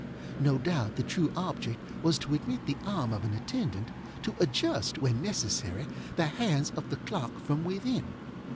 No doubt the true object was to admit the arm of an attendant, to adjust, when necessary, the hands of the clock from within.